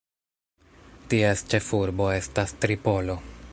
Ties ĉefurbo estas Tripolo.